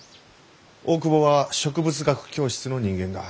大窪は植物学教室の人間だ。